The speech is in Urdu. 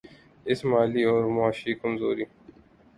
اس مالی اور معاشی کمزوری